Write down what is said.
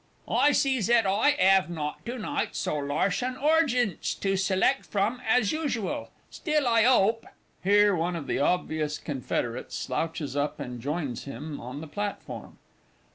_) I see zat I 'ave not to night so larsh an orjence to select from as usual, still I 'ope (_Here one of the obvious Confederates slouches up, and joins him on the platform.